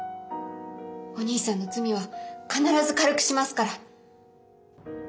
お兄さんの罪は必ず軽くしますから。